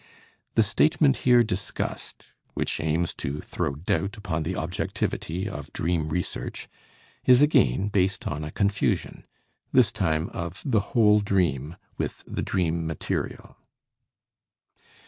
The statement here discussed, which aims to throw doubt upon the objectivity of dream research, is again based on a confusion this time of the whole dream with the dream material.